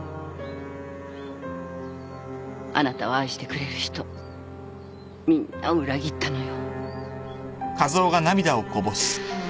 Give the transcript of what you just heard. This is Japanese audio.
あなたを愛してくれる人みんなを裏切ったのよ。